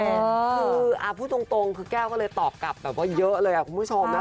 คือพูดตรงแก้วก็เลยตอกกับเยอะเลยคุณผู้ชมนะ